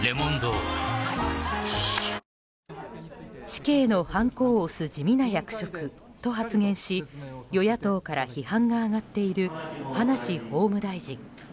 死刑のはんこを押す地味な役職と発言し与野党から批判が上がっている葉梨法務大臣。